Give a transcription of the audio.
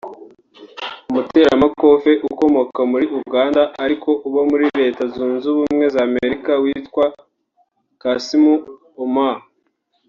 umuteramakofe ukomoka muri Uganda ariko uba muri Leta Zunze Ubumwe za Amerika witwa Kassim Ouma